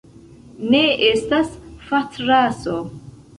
Ne estas fatraso.